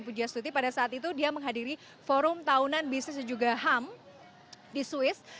pertama sekali menteri susi pada saat itu dia menghadiri forum tahunan bisnis dan juga ham di swiss